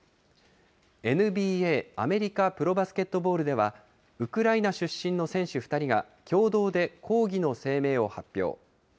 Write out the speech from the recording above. ＮＢＡ・アメリカプロバスケットボールでは、ウクライナ出身の選手２人が共同で抗議の声明を発表。